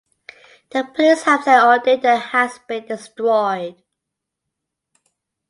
The police have said all data has been destroyed.